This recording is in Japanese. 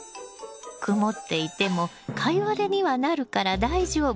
曇っていてもカイワレにはなるから大丈夫。